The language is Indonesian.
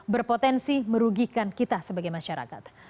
berpotensi merugikan kita sebagai masyarakat